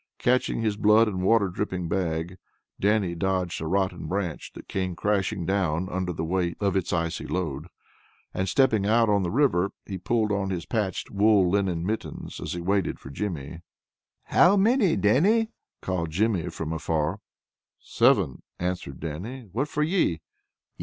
Catching his blood and water dripping bag, Dannie dodged a rotten branch that came crashing down under the weight of its icy load, and stepping out on the river, he pulled on his patched wool lined mittens as he waited for Jimmy. "How many, Dannie?" called Jimmy from afar. "Seven," answered Dannie. "What for ye?"